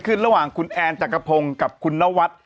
คือไม่ถึงอะไร